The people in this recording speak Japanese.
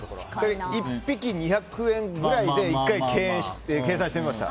１匹２００円くらいで計算してみました。